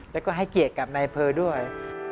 แล้วก็ให้เกียรติกับนายอำเภอด้วย